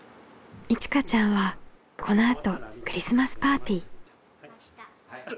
いちかちゃんはこのあとクリスマスパーティー。